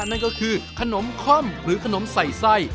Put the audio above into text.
นั่นก็คือขนมค่อมหรือขนมใส่ไส้